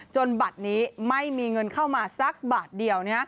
บัตรนี้ไม่มีเงินเข้ามาสักบาทเดียว